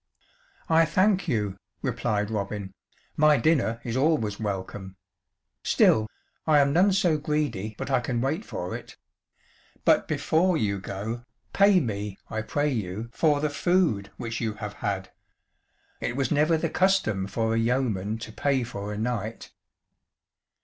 "I thank you," replied Robin, "my dinner is always welcome; still, I am none so greedy but I can wait for it. But before you go, pay me, I pray you, for the food which you have had. It was never the custom for a yeoman to pay for a knight."